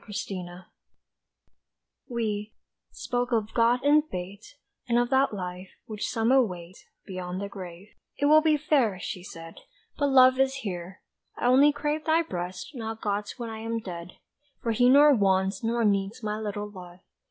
HUMAN LOVE We, spoke of God and Fate, And of that Life which some await Beyond the grave, "It will be fair," she said, "But love is here! I only crave thy breast Not God's when I am dead. For He nor wants nor needs My little love.